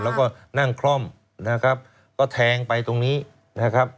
แล้วก็นั่งคล่อมนะครับก็แทงไปตรงนี้นะครับ